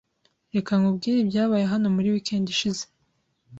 Reka nkubwire ibyabaye hano muri weekend ishize.